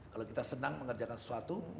kalau kita senang mengerjakan sesuatu